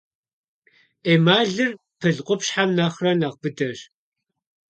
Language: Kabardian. Эмалыр пыл къупщхьэм нэхърэ нэхъ быдэщ.